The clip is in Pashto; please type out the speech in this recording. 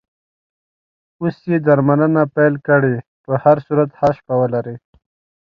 اوس یې درملنه پیل کړې، په هر صورت ښه شپه ولرې.